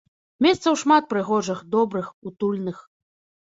Месцаў шмат прыгожых, добрых, утульных.